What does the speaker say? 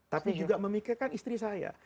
tapi juga memikirkan istri saya